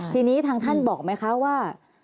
ทีนี้ทางท่านบอกไหมคะว่า